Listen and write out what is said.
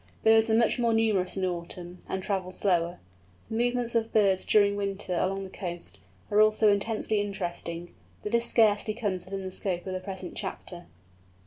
Birds are much more numerous in autumn, and travel slower. The movements of birds during winter along the coast, are also intensely interesting, but this scarcely comes within the scope of the present chapter.